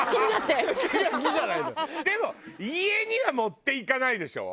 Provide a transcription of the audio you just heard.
でも家には持っていかないでしょ？